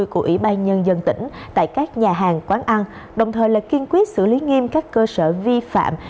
của ủy ban nhân dân tỉnh tại các nhà hàng quán ăn đồng thời là kiên quyết xử lý nghiêm các cơ sở vi phạm